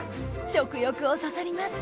食欲をそそります。